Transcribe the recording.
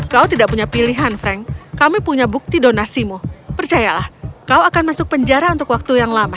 kau tidak punya pilihan frank kami punya bukti donasimu percayalah kau akan masuk penjara untuk waktu yang lama